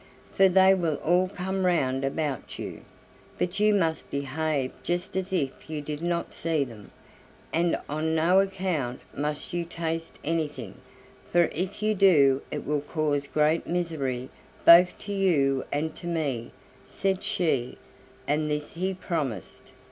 For they will all come round about you; but you must behave just as if you did not see them, and on no account must you taste anything, for if you do it will cause great misery both to you and to me," said she; and this he promised.